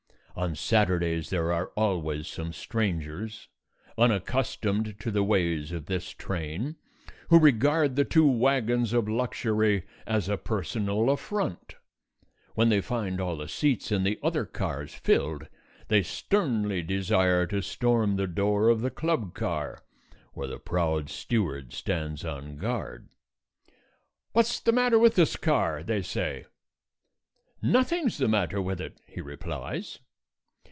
On Saturdays there are always some strangers, unaccustomed to the ways of this train, who regard the two wagons of luxury as a personal affront. When they find all the seats in the other cars filled they sternly desire to storm the door of the club car, where the proud steward stands on guard. "What's the matter with this car?" they say. "Nothing's the matter with it," he replies.